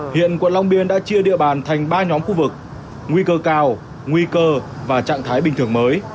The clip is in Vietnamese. hiện quận long biên đã chia địa bàn thành ba nhóm khu vực nguy cơ cao nguy cơ và trạng thái bình thường mới